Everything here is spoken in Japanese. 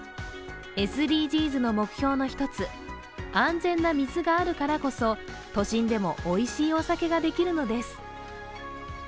ＳＤＧｓの目標の一つ、安全な水があるからこそ都心でもおいしいお酒ができるのです。